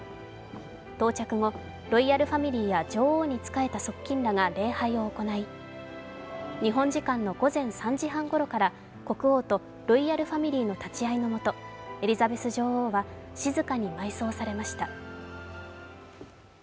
到着後、ロイヤルファミリーや女王に仕えた側近らが礼拝を行い、日本時間の午前３時半ごろから国王とロイヤルファミリーの立ち会いの下、エリザベス女王は静かに埋葬されました。